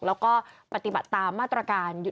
แล้วก็ปฏิบัติตามมาตรการ